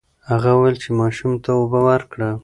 هغه وویل چې ماشوم ته اوبه ورکړه.